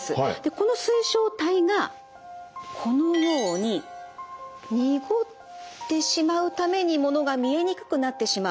この水晶体がこのように濁ってしまうためにものが見えにくくなってしまう。